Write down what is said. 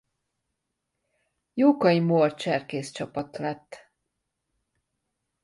Jókai Mór Cserkészcsapat lett.